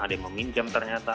ada yang meminjam ternyata